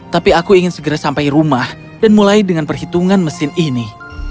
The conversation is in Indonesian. tapi aku ingin segera sampai rumah dan mulai dengan perhitungan mesin ini